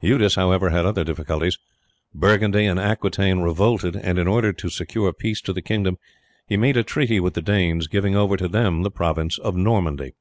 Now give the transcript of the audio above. Eudes, however, had other difficulties. Burgundy and Aquitaine revolted, and in order to secure peace to the kingdom he made a treaty with the Danes, giving over to them the province of Normandy.